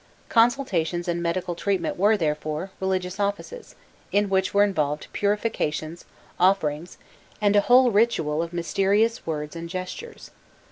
Consultations and medical treatment were, therefore, religious offices, in which were involved purifications, offerings, and a whole ritual of mysterious words and gestures.